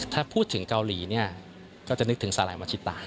ถ้าพูดถึงเกาหลีก็จะนึกถึงสาหร่ายมาชิตะ